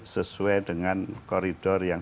sesuai dengan koridor yang